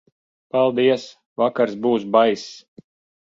Paldies, vakars būs baiss.